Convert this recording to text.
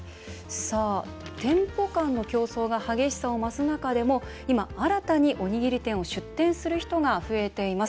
店舗間の競争が激しさを増す中でも今、新たにおにぎり店を出店する人が増えています。